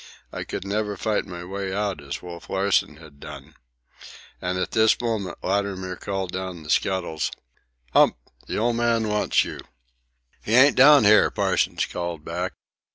I could never fight my way out as Wolf Larsen had done. And at this moment Latimer called down the scuttles: "Hump! The old man wants you!" "He ain't down here!" Parsons called back.